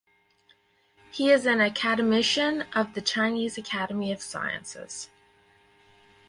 He is an academician of the Chinese Academy of Sciences.